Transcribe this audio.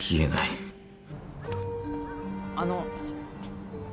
あの